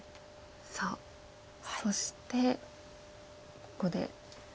さあそしてここで。